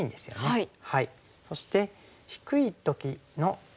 はい。